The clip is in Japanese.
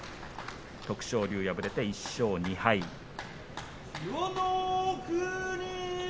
徳勝龍は敗れて１勝２敗です。